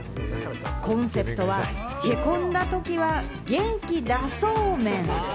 コンセプトは、へこんだときは「元気だそうめん」。